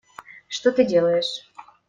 Что ты делаешь?